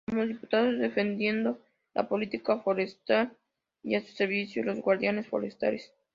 Como diputado defendió la política forestal y a sus servidores, los guardias forestales.